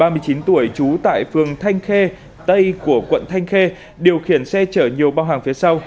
quẩy trú tại phường thanh khê tây của quận thanh khê điều khiển xe chở nhiều bao hàng phía sau